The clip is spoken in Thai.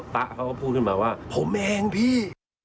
พระเขาก็พูดขึ้นมาว่าผมเองพี่